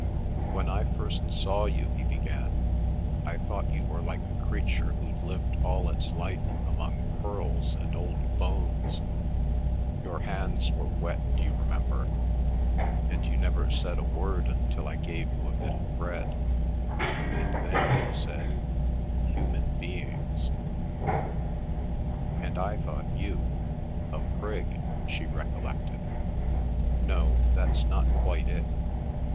"When I first saw you," he began, "I thought you were like a creature who'd lived all its life among pearls and old bones. Your hands were wet, d'you remember, and you never said a word until I gave you a bit of bread, and then you said, 'Human Beings!'" "And I thought you—a prig," she recollected. "No; that's not quite it.